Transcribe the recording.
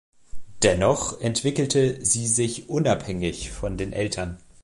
Dennoch entwickelte sie sich unabhängig von den Eltern.